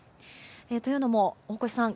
というのも、大越さん。